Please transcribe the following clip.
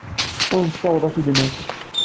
Ur nessaweḍ ad t-id-naf.